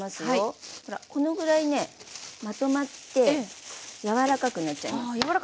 ほらこのぐらいねまとまって柔らかくなっちゃいます。